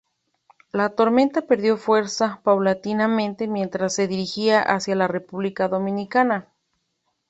La tormenta perdió fuerza paulatinamente mientras se dirigía hacia la República Dominicana.